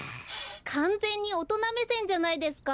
かんぜんにおとなめせんじゃないですか！